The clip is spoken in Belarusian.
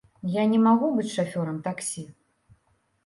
Я не магу быць шафёрам таксі.